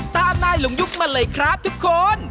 ตามนายหลงยุคมาเลยครับทุกคน